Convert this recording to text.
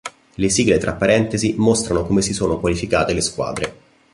Le sigle tra parentesi mostrano come si sono qualificate le squadre.